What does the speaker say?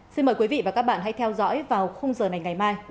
xin mời quý vị và các bạn hãy theo dõi vào khung giờ này ngày mai